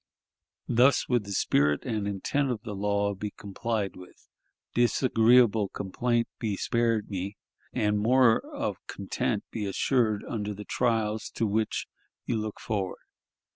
Thus would the spirit and intent of the law be complied with, disagreeable complaint be spared me, and more of content be assured under the trials to which you look forward.